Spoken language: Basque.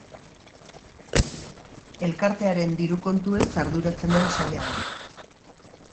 Elkartearen diru kontuez arduratzen den saila da.